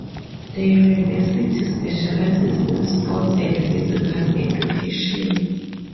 The university specializes in sports and physical education.